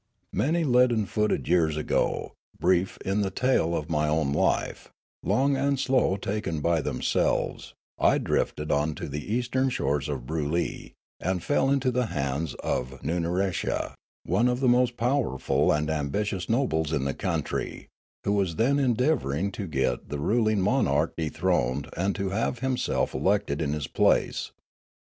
" Many leaden footed years ago, — brief in the tale of my own life, long and slow taken b}' themselves, — I drifted on to the eastern shores of Broolyi, and fell into the hands of Nunaresha, one of the most powerful and ambitious nobles in the country, who was then endeav ouring to get the ruling monarch dethroned and to have himself elected in his place.